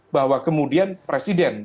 bahwa kemudian presiden